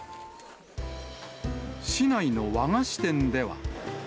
市内の和菓子店では。